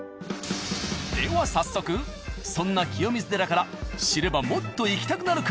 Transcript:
では早速そんな清水寺から知ればもっと行きたくなる！